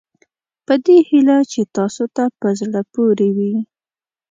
په دې هیله چې تاسوته په زړه پورې وي.